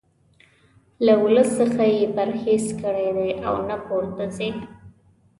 له ولس څخه یې پرهیز کړی دی او نه ورته ځي.